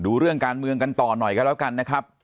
เรื่องการเมืองกันต่อหน่อยกันแล้วกันนะครับ